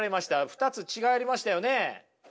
２つ違いありましたよね。